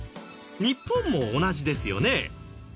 日本も同じですよね。